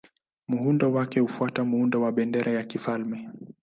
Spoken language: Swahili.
Muundo wake hufuata muundo wa bendera ya kifalme.